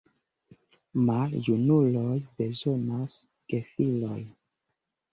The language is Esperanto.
Maljunuloj bezonas gefilojn.